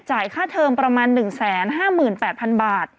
ค่าเทิมประมาณ๑๕๘๐๐๐บาท